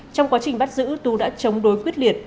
trong quá trình bắt giữ tú đã chống đối quyết liệt